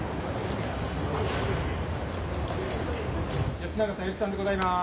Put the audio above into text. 吉永小百合さんでございます。